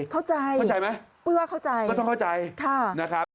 เข้าใจไม่ต้องเข้าใจค่ะ